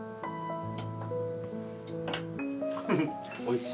おいしい。